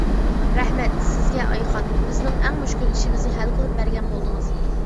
رەھمەت سىزگە، ئايخان، بىزنىڭ ئەڭ مۈشكۈل ئىشىمىزنى ھەل قىلىپ بەرگەن بولدىڭىز.